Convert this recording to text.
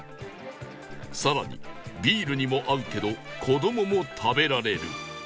更にビールにも合うけど子どもも食べられる